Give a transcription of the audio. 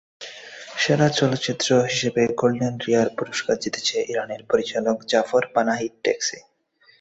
সেরা চলচ্চিত্র হিসেবে গোল্ডেন বিয়ার পুরস্কার জিতেছে ইরানের পরিচালক জাফর পানাহির ট্যাক্সি।